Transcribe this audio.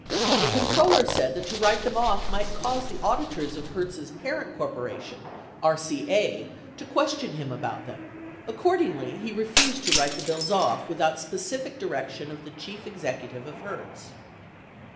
The controller said that to write them off might cause the auditors of Hertz' parent corporation, RCA, to question him about them. Accordingly, he refused to write the bills off without specific direction of the chief executive of Hertz.